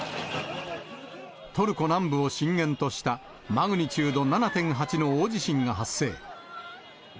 トルコ南部を震源としたマグニチュード７．８の大地震が発生。